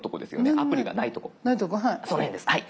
その辺です。